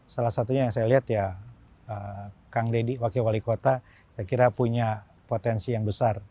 salah satunya yang saya lihat ya kang deddy wakil wali kota saya kira punya potensi yang besar